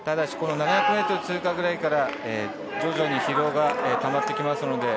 ただしこの７００ｍ通過ぐらいから徐々に疲労がたまってきます。